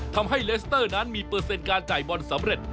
ทำให้เลสเตอร์นั้นมีเปอร์เซ็นต์การจ่ายบอลสำเร็จ